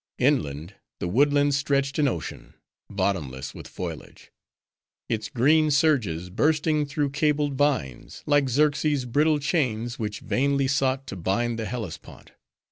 Inland, the woodlands stretched an ocean, bottomless with foliage; its green surges bursting through cable vines; like Xerxes' brittle chains which vainly sought to bind the Hellespont.